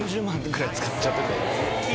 ぐらい使っちゃってて。